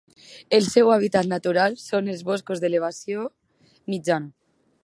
El seu hàbitat natural són en els boscos d'elevació mitjana.